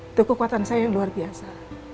itu kekuatan saya yang luar biasa